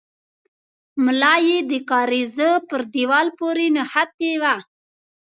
ملا يې د کارېزه پر دېوال پورې نښتې وه.